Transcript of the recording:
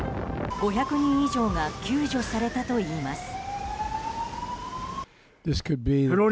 ５００人以上が救助されたといいます。